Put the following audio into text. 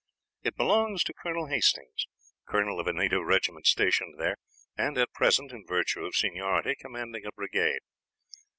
It belonged to Colonel Hastings, colonel of a native regiment stationed there, and at present, in virtue of seniority, commanding a brigade.